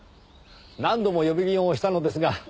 何度も呼び鈴を押したのですが。